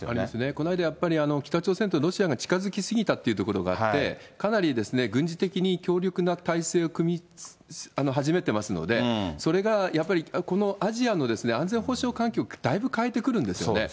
この間やっぱり、北朝鮮とロシアが近づき過ぎたというところがあって、かなり軍事的に強力な体制を組み始めてますので、それがやっぱり、このアジアの安全保障環境、だいぶ変えてくるんですよね。